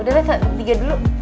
udah deh tiga dulu